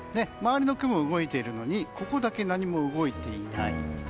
周りの雲は動いているのにここだけ何も動いていない。